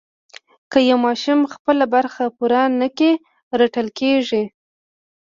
که یو ماشوم خپله برخه پوره نه کړي رټل کېږي.